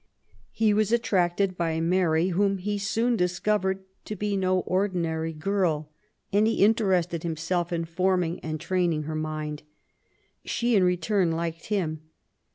He was attracted by Mary, whom he soon discovered to be no ordinary CEILBHOOD AND EAELY YOUTH. IS girl^ and he interested himself in forming and training her mind. She^ in return^ liked him.